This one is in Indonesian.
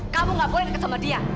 kamu gak boleh deket sama dia